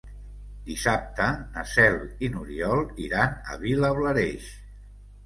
Dissabte na Cel i n'Oriol iran a Vilablareix.